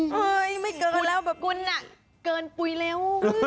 เฮ้ยไม่เกินแล้วแบบคุณน่ะเกินปุ๋ยแล้ว